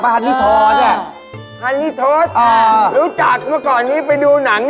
แต่ว่าเย็นนี่ผมนัดกับเธอต้องไปดินเนอร์